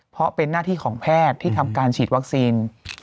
เพราะเป็นหน้าที่ของแพทย์ที่ทำการฉีดวัคซีน